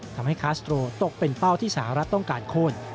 คาสโตรตกเป็นเป้าที่สหรัฐต้องการโค้น